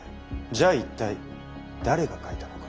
じゃあ一体誰が書いたのか。